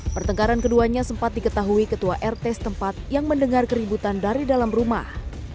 pertengkaran keduanya sempat diketahui ketua rt setempat yang mendengar keributan dari dalam rumah